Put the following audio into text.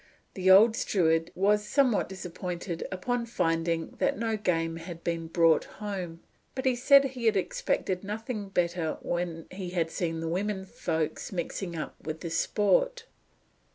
The old steward was somewhat disappointed upon finding that no game had been brought home, but he said he had expected nothing better when he had seen the women folks mixing up with the sport.